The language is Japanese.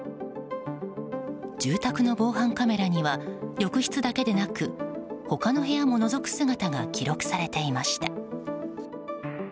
住宅の防犯カメラには浴室だけでなく他の部屋ものぞく姿が記録されていました。